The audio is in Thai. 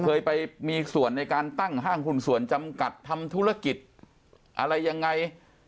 เคยไปมีส่วนในการตั้งห้างหุ้นส่วนจำกัดทำธุรกิจอะไรยังไง